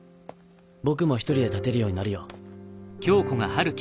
僕も１人で立てるようになるよ